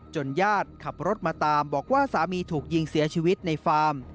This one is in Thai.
ญาติขับรถมาตามบอกว่าสามีถูกยิงเสียชีวิตในฟาร์ม